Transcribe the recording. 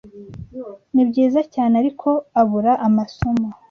Nibyiza cyane, ariko abura amasomo.